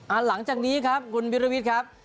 หลังจากนี้ครับคุณวิรวิทย์ครับ